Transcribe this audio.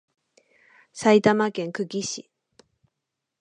埼玉県久喜市